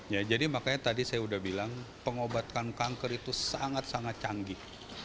ya jadi makanya tadi saya sudah bilang pengobatan kanker itu sangat sangat canggih